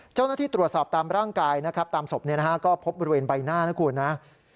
เจ้าหน้าที่ตรวจสอบตามร่างกายนะครับตามศพก็พบบริเวณใบหน้านะคุณนะ